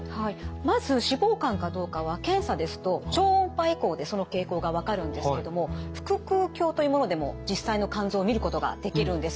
まず脂肪肝かどうかは検査ですと超音波エコーでその傾向が分かるんですけども腹腔鏡というものでも実際の肝臓を見ることができるんです。